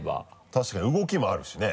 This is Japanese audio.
確かに動きもあるしね。